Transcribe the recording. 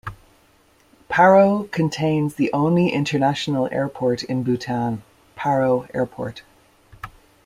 Paro contains the only international airport in Bhutan, Paro Airport.